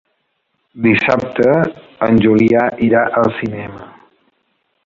Dissabte en Julià irà al cinema.